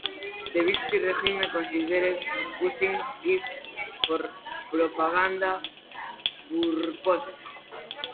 The Vichy regime considered using it for propaganda purposes.